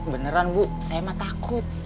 beneran bu saya mah takut